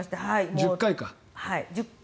１０回か。